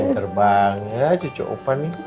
terbang ya cucu opa nih